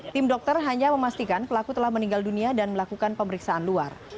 tim dokter hanya memastikan pelaku telah meninggal dunia dan melakukan pemeriksaan luar